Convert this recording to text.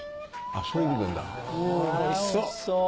うわおいしそう。